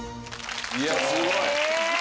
いやすごい。